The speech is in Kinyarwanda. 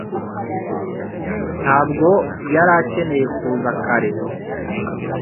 ntabwo yari akeneye kuza kare.